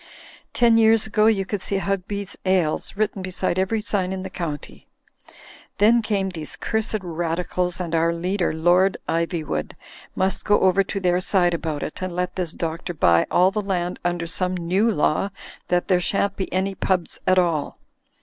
Ten years ago you could see Hugby's Ales written beside every sign in the county. Then came these cursed Radicals, and our leader, Lord Ivyvsrood, must go over to their side about it, and let this Doctor buy all the land under some new law that there shan't be any pubs at all.